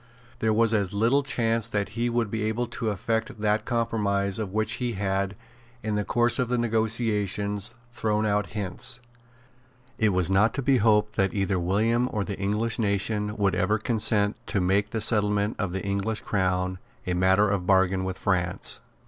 There was as little chance that he would be able to effect that compromise of which he had, in the course of the negotiations, thrown out hints. It was not to be hoped that either William or the English nation would ever consent to make the settlement of the English crown a matter of bargain with France.